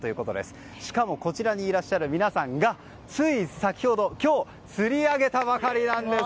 そして、こちらにいらっしゃる皆さんがつい先ほど、今日釣り上げたばかりなんです！